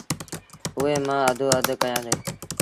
اُئي مآݩ اڌو اڌ ڪيآݩدي